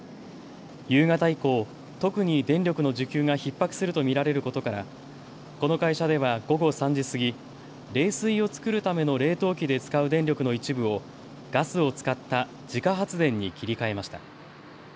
夕方以降、特に電力の需給がひっ迫すると見られることから、この会社では午後３時過ぎ、冷水を作るための冷凍機で使う電力の一部をガスを使った自家発電に切り替えました。